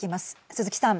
鈴木さん。